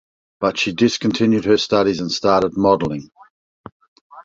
But she discontinued her studies and started modeling.